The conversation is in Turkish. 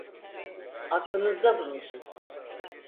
Aklınızda bulunsun.